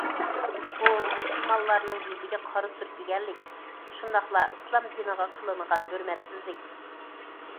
بۇ مۇسۇلمانلارنىڭ يۈزىگە قارا سۈركىگەنلىك، شۇنداقلا ئىسلام دىنىغا قىلىنغان ھۆرمەتسىزلىك.